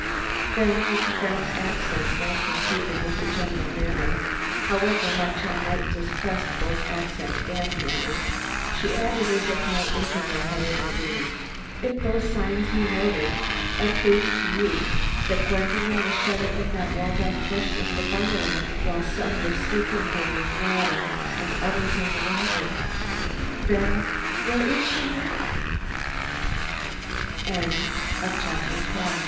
Then with the frank accent most in keeping with her general manner, however much I might distrust both accent and manner, she added as if no interval had intervened: "If those signs you noted are proofs to you that Gwendolen was shut up in that walled off portion of the bungalow while some were seeking her in the water and others in the wagon, then where is she now?" XIII "WE SHALL HAVE TO BEGIN AGAIN" It was